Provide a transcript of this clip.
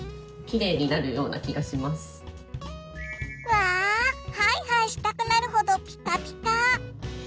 わあハイハイしたくなるほどピカピカ！